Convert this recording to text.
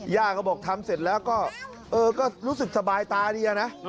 ย่าก็บอกทำเสร็จแล้วก็เออก็รู้สึกสบายตาดีอะนะ